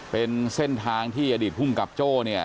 เป็นเส้นทางที่อดีตพุ่งกับโจ้